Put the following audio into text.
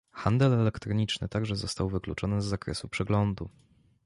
Handel elektroniczny także został wykluczony z zakresu przeglądu